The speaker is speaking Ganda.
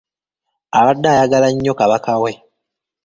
Abadde ayagala ennyo Kabaka we.